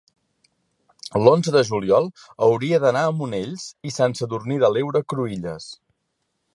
l'onze de juliol hauria d'anar a Monells i Sant Sadurní de l'Heura Cruïlles.